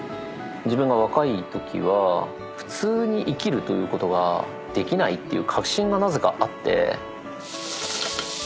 自分が若いときは普通に生きるということができないっていう確信がなぜかあって。